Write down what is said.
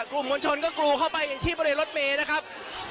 กลุ่มมวลชนก็กรูเข้าไปที่บริเวณรถเมย์นะครับ